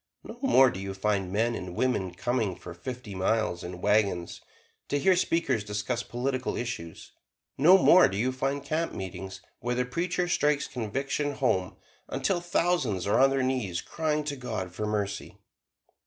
No more do you find men and women coming for fifty miles, in wagons, to hear speakers discuss political issues; no more do you find campmeetings where the preacher strikes conviction home until thousands are on their knees crying to God for mercy.